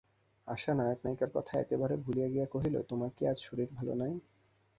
আশা নায়ক-নায়িকার কথা একেবারে ভুলিয়া গিয়া কহিল, তোমার কী শরীর আজ ভালো নাই।